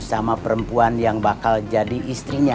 sama perempuan yang bakal jadi istrinya